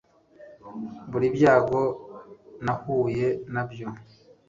Buri byago nahuye nabyo